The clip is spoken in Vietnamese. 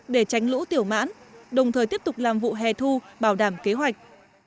để tránh lũ tiểu mãn đồng thời tiếp tục làm vụ hè thu bảo đảm kế hoạch